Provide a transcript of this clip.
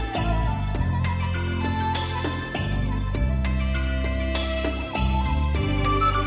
ตอนต่อไป